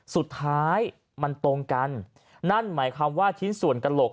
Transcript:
สุดท้ายมันตรงกันนั่นหมายความว่าชิ้นส่วนกระโหลก